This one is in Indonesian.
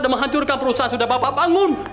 dan menghancurkan perusahaan sudah bapak bangun